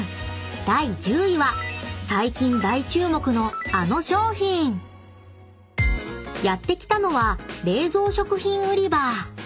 ［第１０位は最近大注目のあの商品］［やって来たのは］